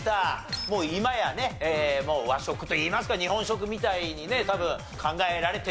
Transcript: もう今やね和食といいますか日本食みたいにね多分考えられてるでしょうしね。